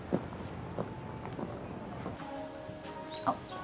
あっ